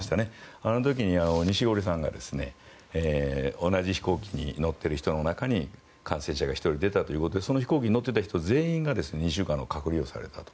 あの時に錦織さんが同じ飛行機に乗ってる人の中に感染者が１人出たということでその飛行機に乗っていた人全員が２週間の隔離をされたと。